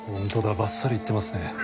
ばっさりいってますね。